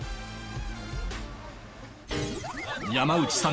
山内さん